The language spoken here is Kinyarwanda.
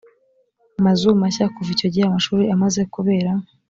mazu mashya kuva icyo gihe amashuri amaze kubera